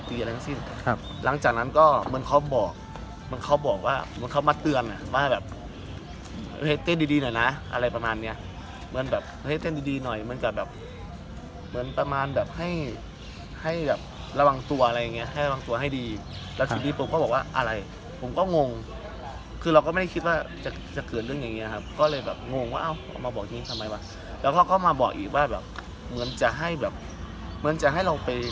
เตือนอ่ะว่าแบบเฮ้เต้นดีดีหน่อยนะอะไรประมาณเนี้ยเหมือนแบบเฮ้เต้นดีดีหน่อยเหมือนกับแบบเหมือนประมาณแบบให้ให้แบบระวังตัวอะไรอย่างเงี้ยให้ระวังตัวให้ดีแล้วทีนี้ผมก็บอกว่าอะไรผมก็งงคือเราก็ไม่ได้คิดว่าจะจะเกิดเรื่องอย่างเงี้ยครับก็เลยแบบงงว่าเอาเอามาบอกนี้ทำไมวะแล้วก็ก็มาบอกอีกว่าแบบเหมือนจะให